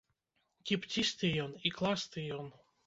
Кіпцісты ён, ікласты ён!